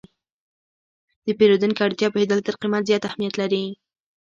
د پیرودونکي اړتیا پوهېدل تر قیمت زیات اهمیت لري.